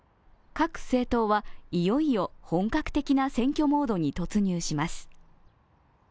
各政党はいよいよ本格的な選挙モードに突入します。